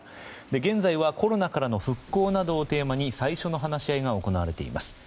現在はコロナからの復興などをテーマに最初の話し合いが行われています。